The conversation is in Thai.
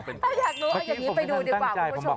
ไปดูไปดูดีกว่า